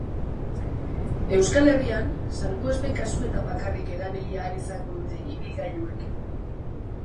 Euskal Herrian, salbuespen kasuetan bakarrik erabili ahal izango dute ibilgailuek.